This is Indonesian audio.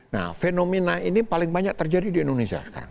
nah fenomena ini paling banyak terjadi di indonesia sekarang